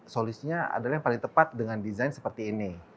solusinya adalah yang paling tepat dengan desain seperti ini